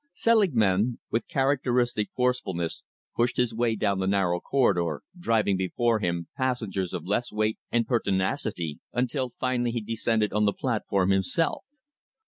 Selingman, with characteristic forcefulness, pushed his way down the narrow corridor, driving before him passengers of less weight and pertinacity, until finally he descended on to the platform itself.